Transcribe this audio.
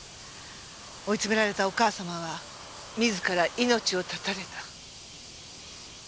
追い詰められたお母様は自ら命を絶たれた。